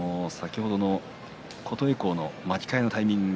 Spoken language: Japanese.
琴恵光の巻き替えのタイミング